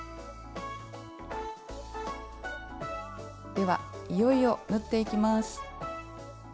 ではいよいよ縫っていきます。